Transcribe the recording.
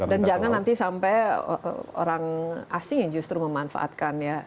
dan jangan nanti sampai orang asing yang justru memanfaatkan ya